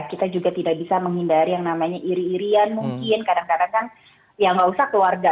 kita juga tidak bisa menghindari yang namanya iri irian mungkin kadang kadang kan ya nggak usah keluarga